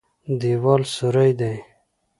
دېوال سوری دی.